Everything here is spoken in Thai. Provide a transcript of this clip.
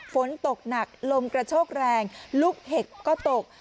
ฝนตกหนักลมกระโชกแรงลูกเห็บก็ตก